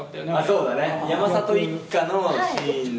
そうだよね、山里一家のシーンの。